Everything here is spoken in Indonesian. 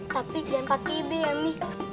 tapi jangan pakai b ya mi